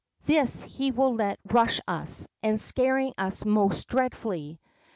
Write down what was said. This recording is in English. This he will let rush at us, scaring us most dreadfully.